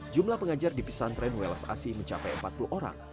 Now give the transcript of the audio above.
jumlah pengajar di pesantren welas asi mencapai empat puluh orang